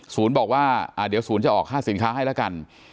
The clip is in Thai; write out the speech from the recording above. บอกว่าเดี๋ยวศูนย์จะออกค่าสินค้าให้แล้วกัน